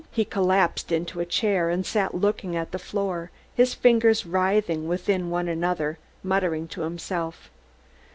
He collapsed into a chair and sat looking at the floor, his fingers writhing within one another, muttering to himself.